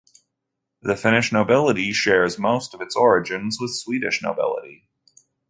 The Finnish nobility shares most of its origins with Swedish nobility.